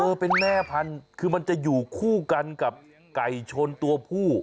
เป็นแม่พันธุ์คือมันจะอยู่คู่กันกับไก่ชนตัวผู้